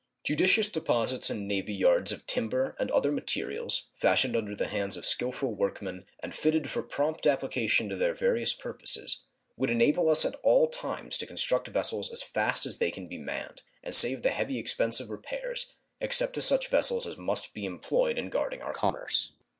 Judicious deposits in navy yards of timber and other materials, fashioned under the hands of skillful work men and fitted for prompt application to their various purposes, would enable us at all times to construct vessels as fast as they can be manned, and save the heavy expense of repairs, except to such vessels as must be employed in guarding our commerce.